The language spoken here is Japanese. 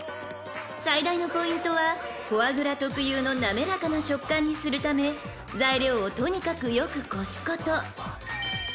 ［最大のポイントはフォアグラ特有の滑らかな食感にするため材料をとにかくよくこすこと］